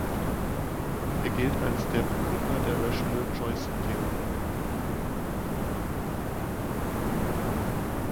Er gilt als der Begründer der "Rational Choice"-Theorie.